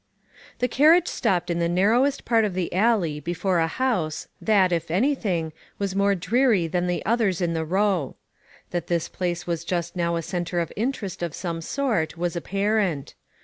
THE carriage stopped in the narrowest part of the alley before a house, that, if anything, was more dreary than the others in the row. That this place was just now a centre of interest of some sort, was apparent.